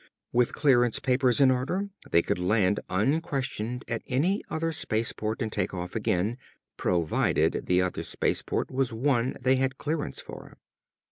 With clearance papers in order, they could land unquestioned at any other space port and take off again provided the other space port was one they had clearance for.